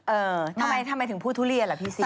เออทำไมถึงพูดทุเรียนล่ะพี่สิ